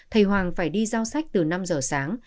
thầy hoàng phải đi giao sách từ năm giờ sáng